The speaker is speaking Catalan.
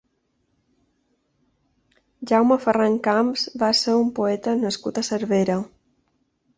Jaume Ferran Camps va ser un poeta nascut a Cervera.